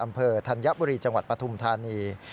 อำเภอธัญบุรีจังหวัดปฐุมธานี